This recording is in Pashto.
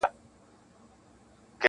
ژوند د درسونو مجموعه ده تل,